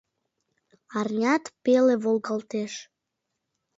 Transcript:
Арнят пеле волгалтеш.